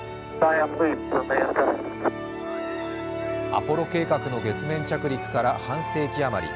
アポロ計画の月面着陸から半世紀余り。